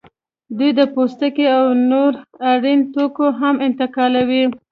دوی د پوستکي او نور اړین توکي هم انتقالوي